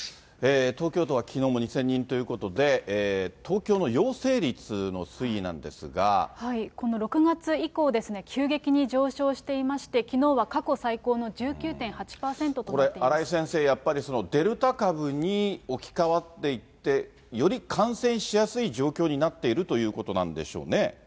東京都はきのうも２０００人ということで、東京の陽性率の推この６月以降ですね、急激に上昇していまして、きのうは、過去最高の１９．８％となっていまこれ、荒井先生、やっぱりデルタ株に置き換わっていって、より感染しやすい状況になっているということなんでしょうね。